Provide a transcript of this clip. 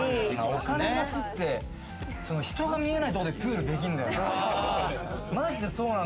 お金持ちって人が見えないところでプールできるんだよな。